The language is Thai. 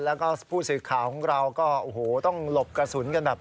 แล้วก็ผู้สื่อข่าวของเราก็โอ้โหต้องหลบกระสุนกันแบบ